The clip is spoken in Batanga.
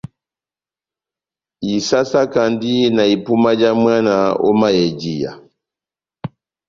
Isásákandi na ipuma já mwana ó mayèjiya.